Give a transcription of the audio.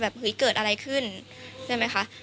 เฮ้ยเกิดอะไรขึ้นใช่ไหมคะ